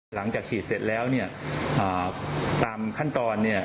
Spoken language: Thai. หลังจากฉีดเสร็จแล้วเนี่ยตามขั้นตอนเนี่ย